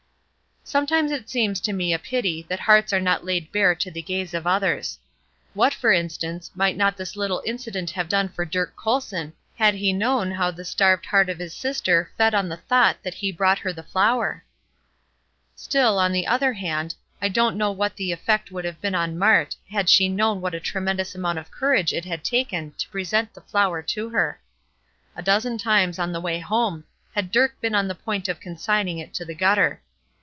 Sometimes it seems to me a pity that hearts are not laid bare to the gaze of others. What, for instance, might not this little incident have done for Dirk Colson had he known how the starved heart of his sister fed on the thought that he brought her the flower? Still, on the other hand, I don't know what the effect would have been on Mart had she known what a tremendous amount of courage it had taken to present the flower to her. A dozen times on the way home had Dirk been on the point of consigning it to the gutter.